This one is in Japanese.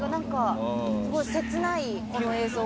さすが、すごい切ないこの映像が。